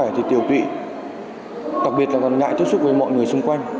khi em sức khỏe thì tiểu tụy đặc biệt là còn ngại tiếp xúc với mọi người xung quanh